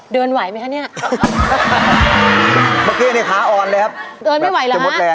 เดินไหวไหมฮะเนี่ย